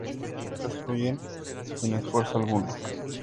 Las ideas y soluciones perfectas fluyen sin esfuerzo alguno.